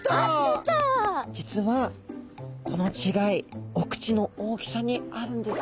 実はこの違いお口の大きさにあるんですね。